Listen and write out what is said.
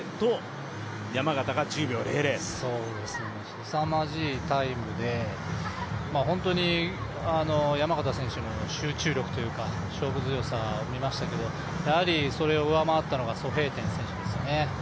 すさまじいタイムで山縣選手も本当に山縣選手の集中力というか勝負強さを見ましたけどそれを上回ったのがソヘイテン選手ですよね。